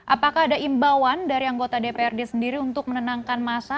apakah ada imbauan dari anggota dprd sendiri untuk menenangkan masa